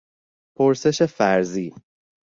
پرسش فرضی